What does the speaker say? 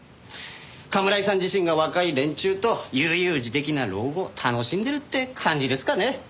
甘村井さん自身が若い連中と悠々自適な老後を楽しんでるって感じですかね。